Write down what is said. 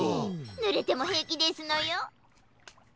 ぬれてもへいきですのよ。